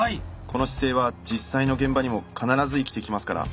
この姿勢は実際の現場にも必ず生きてきますから。